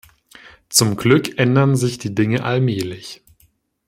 Zum Glück ändern sich die Dinge allmählich.